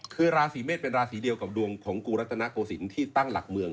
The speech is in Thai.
คือราศีเมษเป็นราศีเดียวกับดวงของกูรัตนโกศิลป์ที่ตั้งหลักเมือง